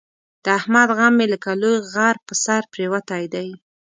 د احمد غم مې لکه لوی غر په سر پرېوتی دی.